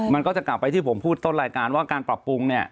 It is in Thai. มันก็จะกลับไปที่ผมพูดต้นรายการว่าการปรับปรุงเนี่ย